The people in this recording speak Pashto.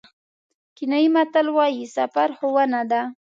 کینیايي متل وایي سفر ښوونه ده.